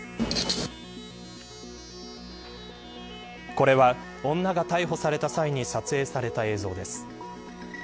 これは女が逮捕された際に撮影された映像です。